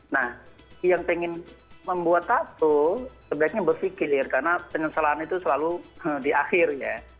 nah yang ingin membuat satu sebaiknya berpikir karena penyesalan itu selalu di akhir ya